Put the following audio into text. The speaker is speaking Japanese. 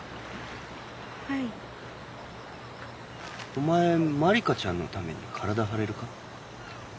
お前まりかちゃんのために体張れるか？